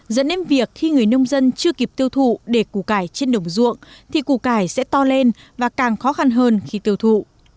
dẫn đến việc khi người nông dân chưa kịp tiêu thụ để củ cải trên đồng ruộng thì củ cải sẽ to lên và càng khó khăn hơn khi tiêu thụ